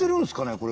これ？